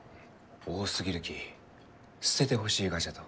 多すぎるき捨ててほしいがじゃと。